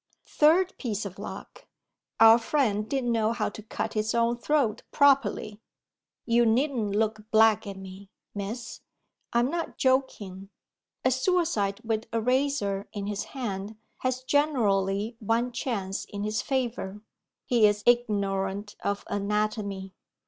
Third piece of luck: our friend didn't know how to cut his own throat properly. You needn't look black at me, Miss; I'm not joking. A suicide with a razor in his hand has generally one chance in his favour he is ignorant of anatomy.